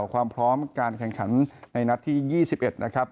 ความพร้อมการแข่งขันในนัดที่๒๑นะครับ